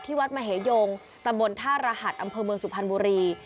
วัดมเหยงตำบลท่ารหัสอำเภอเมืองสุพรรณบุรี